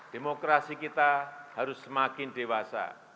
demokrasi kita harus semakin dewasa